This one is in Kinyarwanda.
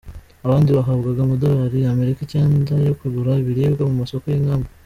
Abandi bahabwaga amadolari ya Amerika icyenda yo kugura ibiribwa mu masoko y’inkambi.